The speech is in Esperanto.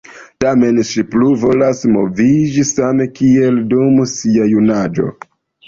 Tamen ŝi plu volas moviĝi, same kiel dum sia jun-aĝo.